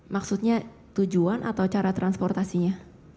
maksudnya tujuan atau cara transportasinya